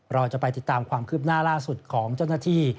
เราจะไปติดตามความคืบหน้าล่าสุดของเจ้าหน้าที่